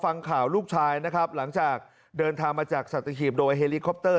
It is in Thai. ฟังข่าวลูกชายนะครับหลังจากเดินทางมาจากสัตหีบโดยเฮลิคอปเตอร์